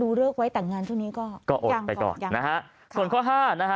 ส่วนข้อห้าการจัดกิจกรรม